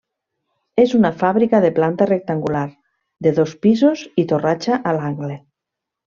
És una fàbrica de planta rectangular, de dos pisos i torratxa a l'angle.